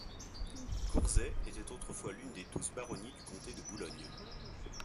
Courset était autrefois l'une des douze baronnies du comté de Boulogne.